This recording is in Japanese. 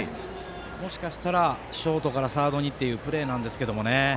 もしかしたら、ショートからサードにっていうプレーなんですけどね。